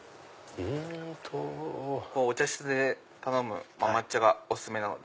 お茶室で頼む抹茶がお薦めなので。